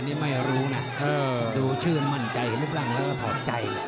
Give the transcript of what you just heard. ติดตามยังน้อยกว่า